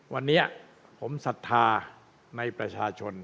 วันนี้ผมศรัทธาในประชาชน